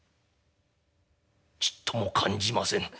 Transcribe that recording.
「ちっとも感じませぬ。